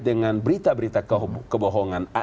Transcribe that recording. dengan berita berita kebohongan